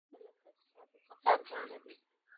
دا د موټر جوړونې له تاسیساتو څخه ارزانه دي